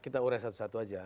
kita ures satu satu aja